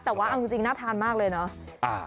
แต่ว่าเอาจริงน่าทานมากเลยเนาะ